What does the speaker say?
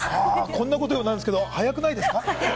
こんなこと言うのはなんですけど早くないですか？